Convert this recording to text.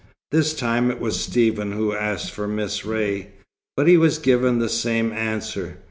This time it was Stephen who asked for Miss Ray; but he was given the same answer.